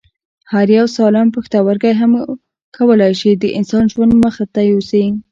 هو یو سالم پښتورګی هم کولای شي د انسان ژوند مخ ته یوسي